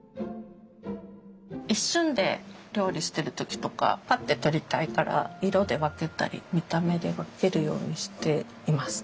一瞬で料理してる時とかパッて取りたいから色で分けたり見た目で分けるようにしています。